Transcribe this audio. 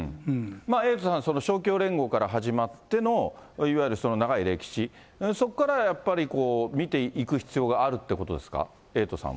エイトさん、勝共連合から始まってのいわゆる長い歴史、そこからやっぱり見ていく必要があるってことですか、エイトさん